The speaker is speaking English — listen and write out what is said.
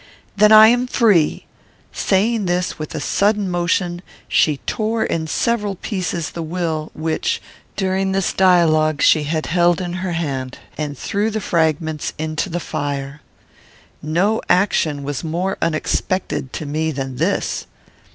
"Then I am free." Saying this, with a sudden motion, she tore in several pieces the will, which, during this dialogue, she had held in her hand, and threw the fragments into the fire. No action was more unexpected to me than this.